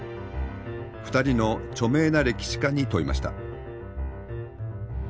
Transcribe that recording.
２人の著名な歴史家に問いました。